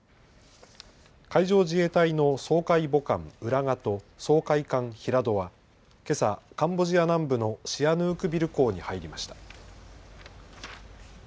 海上自衛隊の掃海母艦うらがと掃海艦ひらどは、けさ、カンボジア南部のシアヌークビル港に入りました。